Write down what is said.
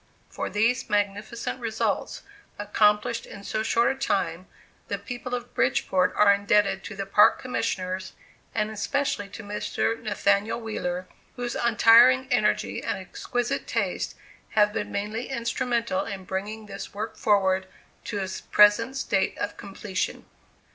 For these magnificent results, accomplished in so short a time, the people of Bridgeport are indebted to the park commissioners, and especially to Mr. Nathaniel Wheeler, whose untiring energy and exquisite taste have been mainly instrumental in bringing this work forward to its present state of completion.